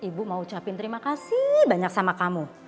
ibu mau ucapin terima kasih banyak sama kamu